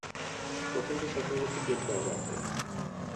প্রথম স্বপ্নটা দেখি বুধবার রাতে।